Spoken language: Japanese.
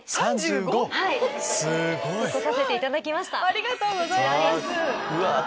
ありがとうございます！